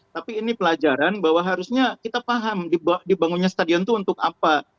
tapi ini pelajaran bahwa harusnya kita paham dibangunnya stadion itu untuk apa